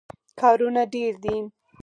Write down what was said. کارونه ډېر دي.